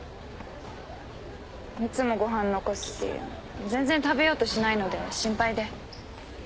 いつもご飯残すし全然食べようとしないので心配で。